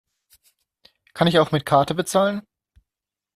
Kann ich auch mit Karte bezahlen?